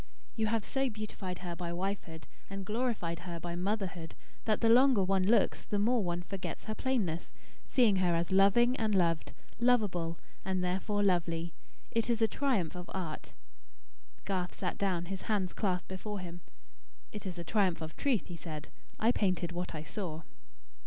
You have so beautified her by wifehood, and glorified her by motherhood, that the longer one looks the more one forgets her plainness; seeing her as loving and loved; lovable, and therefore lovely. It is a triumph of art." Garth sat down, his hands clasped before him. "It is a triumph of truth," he said. "I painted what I saw."